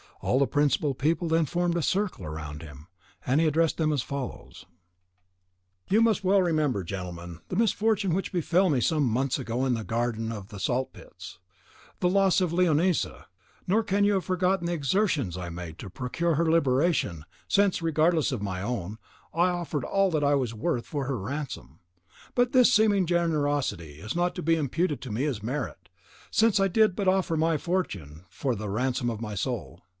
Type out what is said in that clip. All the principal people then formed a circle round him, and he addressed them as follows:— "You must well remember, gentlemen, the misfortune which befel me some mouths ago in the garden of the Salt Pits, and the loss of Leonisa: nor can you have forgotten the exertions I made to procure her liberation, since, regardless of my own, I offered all I was worth for her ransom. But this seeming generosity is not to be imputed to me as a merit, since I did but offer my fortune for the ransom of my soul.